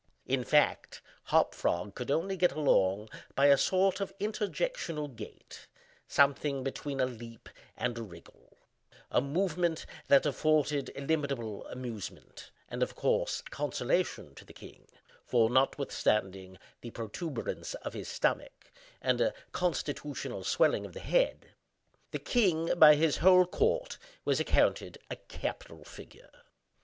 In fact, Hop Frog could only get along by a sort of interjectional gait—something between a leap and a wriggle—a movement that afforded illimitable amusement, and of course consolation, to the king, for (notwithstanding the protuberance of his stomach and a constitutional swelling of the head) the king, by his whole court, was accounted a capital figure.